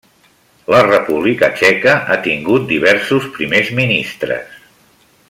La República txeca ha tingut diversos primers ministres.